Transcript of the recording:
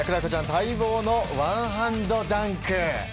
待望のワンハンドダンク。